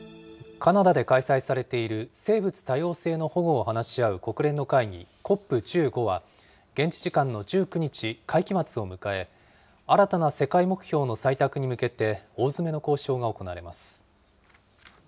カナダで開催されている生物多様性の保護を話し合う国連の会議、ＣＯＰ１５は、現地時間の１９日、会期末を迎え、新たな世界目標の対策に向けて大詰めの交渉が行われます。